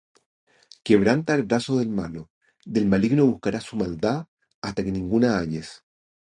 Quebranta el brazo del malo: Del maligno buscarás su maldad, hasta que ninguna halles.